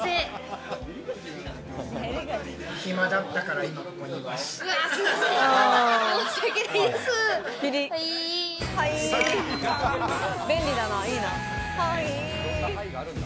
暇だったから今ここにいます。